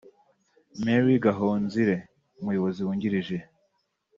Mary Gahonzire umuyobozi wungirije